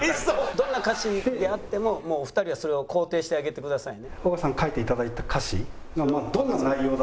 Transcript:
「どんな歌詞であってももうお二人はそれを肯定してあげてくださいね」。